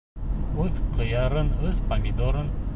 Үҙ ҡыярың, үҙ помидорың.